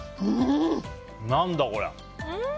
何だ、これ。